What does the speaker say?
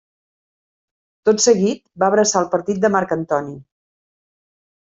Tot seguit va abraçar el partit de Marc Antoni.